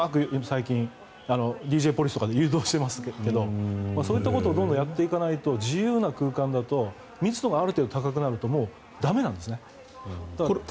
最近ＤＪポリスとかで誘導してますがそういったことをどんどんやっていかないと自由な空間だと密度がある程度高くなると駄目なんですね。